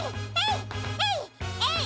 えい！